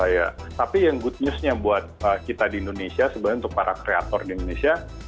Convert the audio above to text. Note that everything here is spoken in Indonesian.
ya tapi yang good news nya buat kita di indonesia sebenarnya untuk para kreator di indonesia